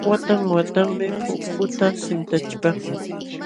Watan watanmi pukuta sintachipaakun.